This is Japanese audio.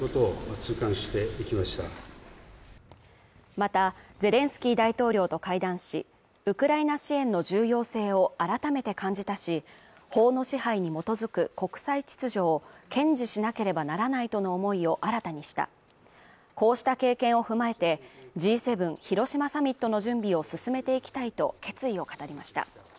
また、ゼレンスキー大統領と会談し、ウクライナ支援の重要性を改めて感じたし、法の支配に基づく国際秩序を堅持しなければならないとの思いを新たにしたこうした経験を踏まえて、Ｇ７広島サミットの準備を進めていきたいと決意を語りました。